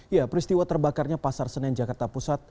ya peristiwa terbakarnya pasar senen jakarta pusat